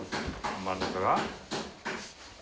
真ん中が？